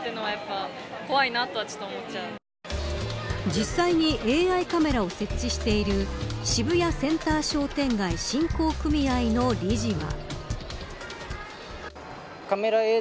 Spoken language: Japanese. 実際にＡＩカメラを設置している渋谷センター商店街振興組合の理事は。